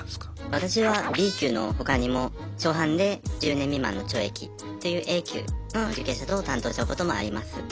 私はＢ級の他にも初犯で１０年未満の懲役というＡ級の受刑者等を担当したこともあります。